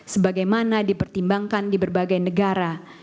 sebagaimana dipertimbangkan di berbagai negara